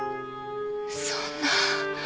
そんな。